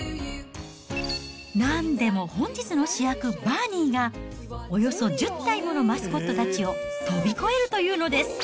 なんでも本日の主役、バーニーが、およそ１０体ものマスコットたちを飛び越えるというのです。